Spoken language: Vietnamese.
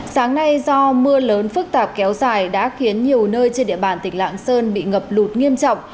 sáng nay do mưa lớn phức tạp kéo dài đã khiến nhiều nơi trên địa bàn tỉnh lạng sơn bị ngập lụt nghiêm trọng